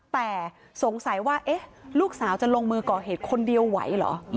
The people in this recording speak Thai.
แต่สงสัยว่าลูกสาวจะลงมือก่อเหตุคนเดียวไหวเหรอ